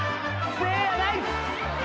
せいやナイス！